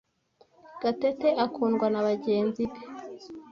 Gatete akundwa nabagenzi be.